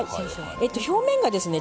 表面がですね